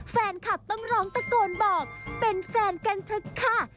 แฟนคลับต้องร้องตะโกนบอกเป็นแฟนกันเถอะค่ะ